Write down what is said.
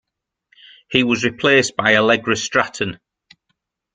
He was replaced by Allegra Stratton.